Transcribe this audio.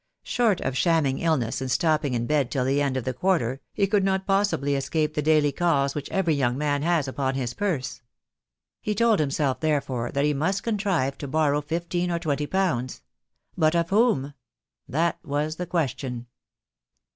Short of shamming illness and stopping in bed till the end of the quarter, he could not possibly escape the daily calls which every young man has upon his purse. He told himself, therefore, that he must contrive to borrow fifteen or twenty pounds. But of whom? That was the question.